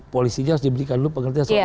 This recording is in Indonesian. polisinya harus diberikan dulu pengertian soal